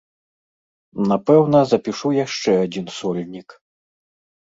Напэўна, запішу яшчэ адзін сольнік.